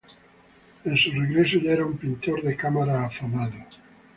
En su regreso ya era un pintor de cámara afamado.